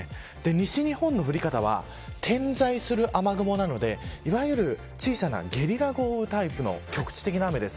西日本の降り方は点在する雨雲なのでいわゆる小さなゲリラ豪雨タイプの局地的な雨です。